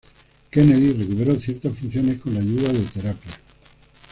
Kennedy recuperó ciertas funciones con la ayuda de terapias.